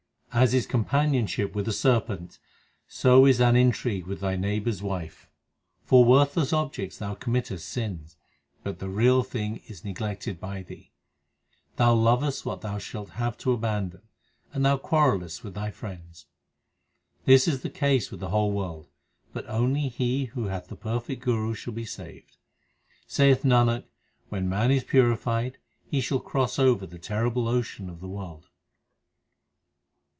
1 As is companionship with a serpent so is an intrigue with thy neighbour s wife. For worthless objects 2 thou committest sin, but the real thing is neglected by thee. Thou lovest what thou shalt have to abandon and thou quarrellest with thy friends. This is the case with the whole world, but only he who hath the perfect Guru shall be saved. Saith Nanak, when man is purified, he shall cross over the terrible ocean of the world.